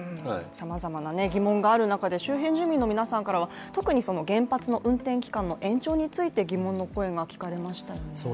さまざまな疑問がある中で周辺住民の皆さんからは原発機関の延長について疑問の声が聞かれましたよね。